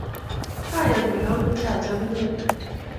Kayan kole ameche acham inendet